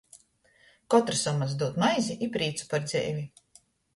Kotrs omots dūd maizi i prīcu par dzeivi!